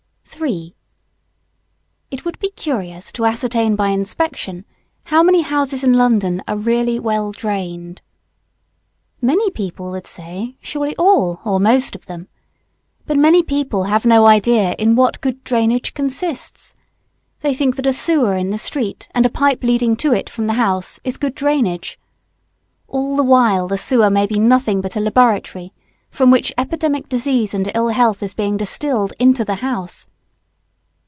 [Sidenote: Drainage.] 3. It would be curious to ascertain by inspection, how many houses in London are really well drained. Many people would say, surely all or most of them. But many people have no idea in what good drainage consists. They think that a sewer in the street, and a pipe leading to it from the house is good drainage. All the while the sewer may be nothing but a laboratory from which epidemic disease and ill health is being distilled into the house.